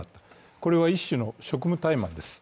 これは一種の職務怠慢です。